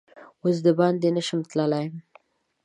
اوس دباندې نه شمه تللا ی